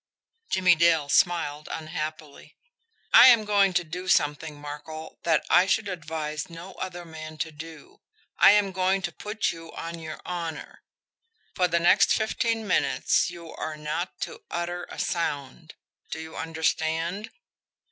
Jimmie Dale smiled unhappily. "I am going to do something, Markel, that I should advise no other man to do I am going to put you on your honour! For the next fifteen minutes you are not to utter a sound. Do you understand?"